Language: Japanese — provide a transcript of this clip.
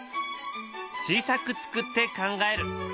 「小さく作って考える」。